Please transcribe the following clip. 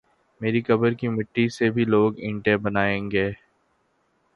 میری قبر کی مٹی سے بھی لوگ اینٹیں بنائی گے ۔